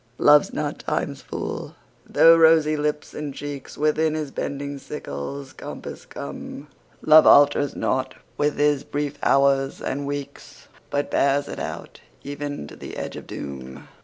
Love's not Time's fool, though rosy lips and cheeks Within his bending sickle's compass come; Love alters not with his brief hours and weeks, But bears it out even to the edge of doom.